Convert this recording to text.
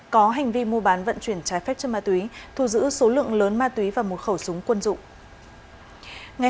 có hành vi mua bán vận chuyển trái phép chất ma túy thu giữ số lượng lớn ma túy và một khẩu súng quân dụng